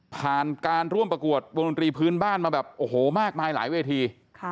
ผ่านการร่วมประกวดวงดนตรีพื้นบ้านมาแบบโอ้โหมากมายหลายเวที